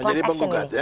menjadi penggugat ya